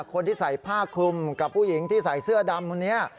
คนที่ใส่ผ้าคลุมกับผู้หญิงที่ใส่เสื้อดำคนนี้